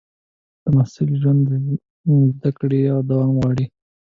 د محصل ژوند د زده کړې دوام غواړي.